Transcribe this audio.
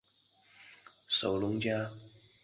父亲为北条氏直的家臣神尾伊予守荣加。